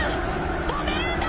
止めるんだ！